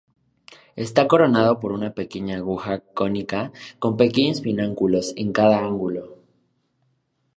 Está coronado por una pequeña aguja cónica con pequeños pináculos en cada ángulo.